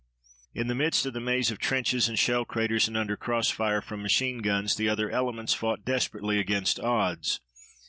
In the midst of the maze of trenches and shell craters and under crossfire from machine guns the other elements fought desperately against odds.